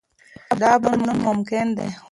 دا بدلون ممکن دی.